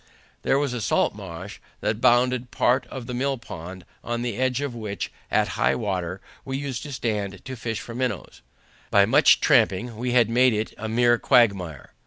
There was a salt marsh that bounded part of the mill pond, on the edge of which, at high water, we used to stand to fish for minnows. By much trampling, we had made it a mere quagmire.